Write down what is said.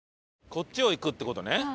こっちを行くって事ね。